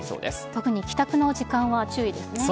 特に帰宅の時間は注意ですね。